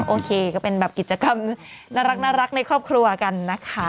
โอเคก็เป็นแบบกิจกรรมน่ารักในครอบครัวกันนะคะ